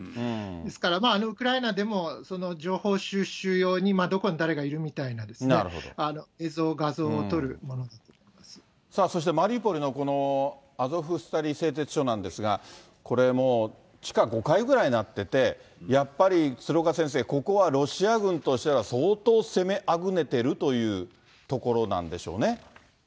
ですから、ウクライナでもその情報収集用に、どこに誰がいるかみたいなですね、映像、さあそして、マリウポリのこのアゾフスタリ製鉄所なんですけれども、これも地下５階ぐらいになってて、やっぱり鶴岡先生、ここはロシア軍としては、相当、攻めあぐねてるというところなんでしょうね。